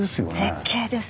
絶景です。